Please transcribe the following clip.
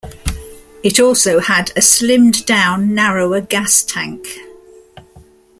It also had a slimmed down narrower gas tank.